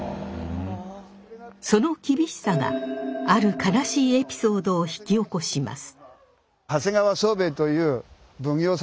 その厳しさがある悲しいエピソードを引き起こします。